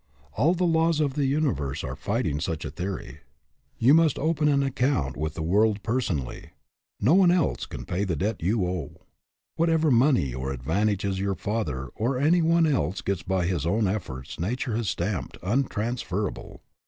All the laws of the universe are fighting such a theory. You must open an account with the world personally. No one else can pay the debt you owe. Whatever money or advantages your father or any one else gets by his own efforts nature has stamped " untransferable."